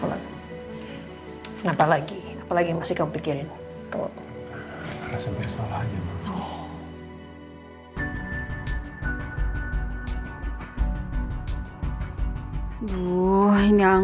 apalagi apalagi masih kamu pikirin